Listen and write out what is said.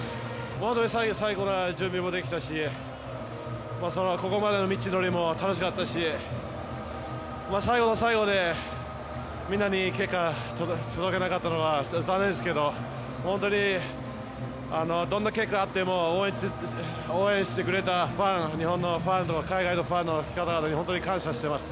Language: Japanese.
本当に最高の準備もできたし、ここまでの道のりも楽しかったし、最後の最後で、みんなにいい結果を届けなかったのは残念ですけど、本当にどんな結果であっても、応援してくれたファン、日本のファンとか海外のファンの方々に本当に感謝してます。